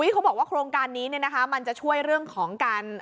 เขาบอกว่าโครงการนี้มันจะช่วยเรื่องของการ